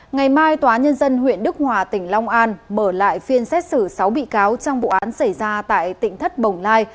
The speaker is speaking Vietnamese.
ngày mai tòa nhân dân huyện đức hòa tỉnh long an mở lại phiên xét xử sáu bị cáo trong vụ án xảy ra tại tỉnh thất bồng lai